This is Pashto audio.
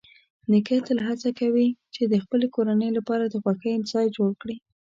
نیکه تل هڅه کوي چې د خپل کورنۍ لپاره د خوښۍ ځای جوړ کړي.